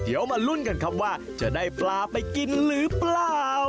เดี๋ยวมาลุ้นกันครับว่าจะได้ปลาไปกินหรือเปล่า